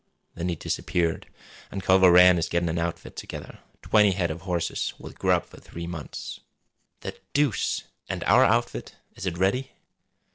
Then he disappeared. An' Culver Rann is getting an outfit together! Twenty head of horses, with grub for three months!" "The deuce! And our outfit? Is it ready?"